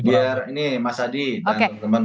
biar ini mas adi dan teman teman